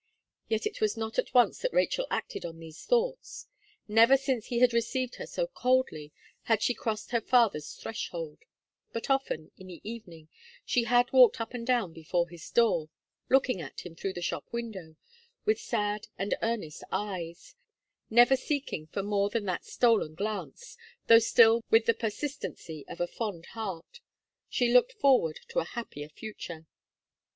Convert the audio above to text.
Yet it was not at once that Rachel acted on these thoughts. Never since he had received her so coldly, had she crossed her father's threshold; but often, in the evening, she had walked up and down before his door, looking at him through the shop window with sad and earnest eyes, never seeking for more than that stolen glance, though still with the persistency of a fond heart, she looked forward to a happier future.